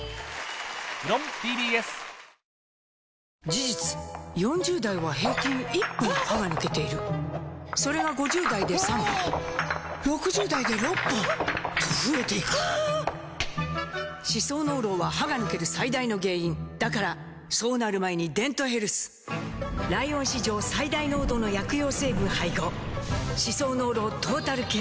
事実４０代は平均１本歯が抜けているそれが５０代で３本６０代で６本と増えていく歯槽膿漏は歯が抜ける最大の原因だからそうなる前に「デントヘルス」ライオン史上最大濃度の薬用成分配合歯槽膿漏トータルケア！